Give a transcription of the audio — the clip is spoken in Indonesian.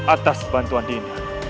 atas bantuan dinda